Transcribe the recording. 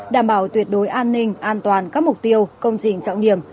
đảm bảo tuyệt đối an ninh an toàn các mục tiêu công trình trọng điểm